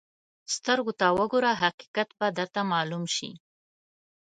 سترګو ته وګوره، حقیقت به درته معلوم شي.